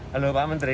halo pak menteri